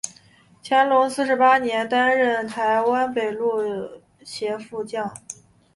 乾隆四十八年担任台湾北路协副将。